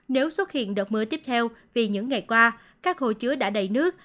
nếu xuất hiện đợt mưa tiếp theo vì những ngày qua các hồ chứa đã đầy nước